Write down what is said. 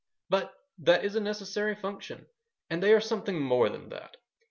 But that is a necessary function, and they are something more than that.